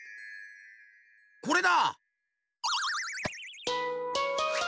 これだ！